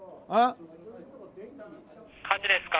「火事ですか？